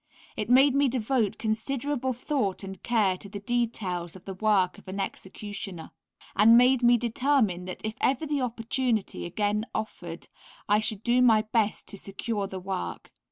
It made me devote considerable thought and care to the details of the work of an executioner, and made me determine that if ever the opportunity again offered I should do my best to secure the work.